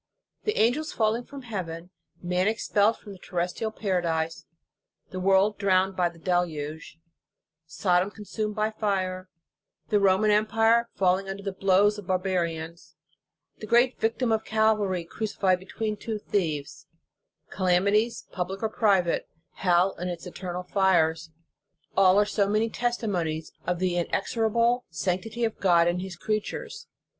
The angels falling from heaven, man expelled from the terrestrial paradise, the world drowned by the deluge, Sodom consumed by fire, the Roman empire falling under the blows of barbarians, the great Victim of Calvary crucified between two thieves, calamities public or private, hell with its eternal fires; all are so many testi monies of the inexorable sanctity of God in His creatures.